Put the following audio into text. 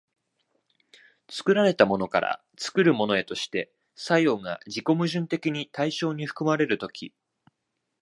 作られたものから作るものへとして作用が自己矛盾的に対象に含まれる時、